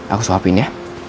aku suapin ya